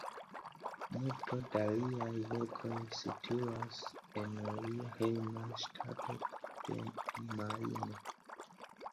Multo da liaj verkoj situas en lia hejma ŝtato de Majno.